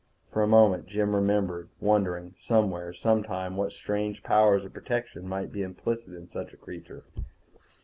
For a moment Jim remembered wondering somewhere, sometime, what strange powers of protection might be implicit in such a creature.